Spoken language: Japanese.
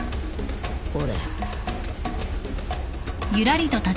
俺。